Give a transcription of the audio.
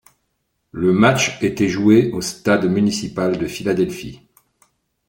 Le match était joué au stade municipal de Philadelphie.